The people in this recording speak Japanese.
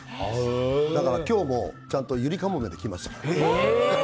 だから今日もちゃんとゆりかもめで来ましたよ。